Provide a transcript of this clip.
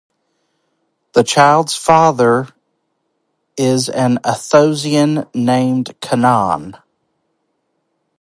The child's father is an Athosian named Kanaan.